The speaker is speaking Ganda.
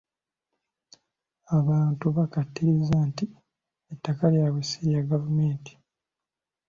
Abantu bakkaatiriza nti ettaka lyabwe si lya gavumenti.